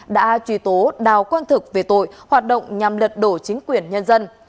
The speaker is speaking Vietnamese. đã truy tố đào quang thực về tội hoạt động nhằm lật đổ chính quyền nhân dân